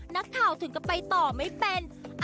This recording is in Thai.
นักข่าวถึงก็ไปต่อไม่เป็น